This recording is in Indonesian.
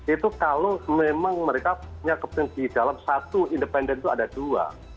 itu kalau memang mereka punya kepentingan di dalam satu independen itu ada dua